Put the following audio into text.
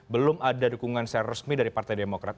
belum ada dukungan secara resmi dari partai demokrat